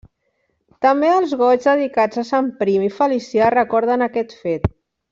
També els Goigs dedicats a Sant Prim i Felicià recorden aquest fet.